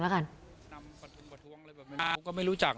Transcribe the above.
แล้วอันนี้ก็เปิดแล้ว